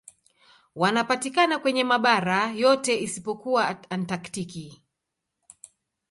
Wanapatikana kwenye mabara yote isipokuwa Antaktiki.